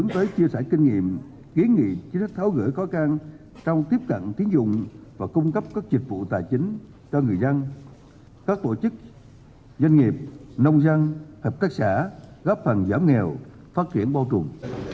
điểm kiến nghị chính sách tháo gửi có can trong tiếp cận thiết dụng và cung cấp các dịch vụ tài chính cho người dân các tổ chức doanh nghiệp nông dân hợp tác xã góp phần giảm nghèo phát triển bô trùm